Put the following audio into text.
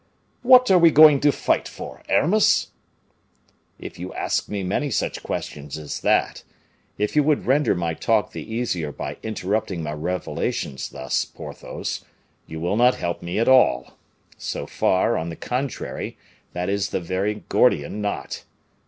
"What are we going to fight for, Aramis?" "If you ask me many such questions as that if you would render my task the easier by interrupting my revelations thus, Porthos, you will not help me at all. So far, on the contrary, that is the very Gordian knot.